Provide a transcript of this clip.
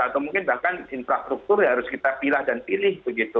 atau mungkin bahkan infrastruktur ya harus kita pilih dan pilih begitu